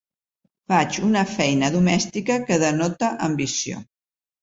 Faig una feina domèstica que denota ambició.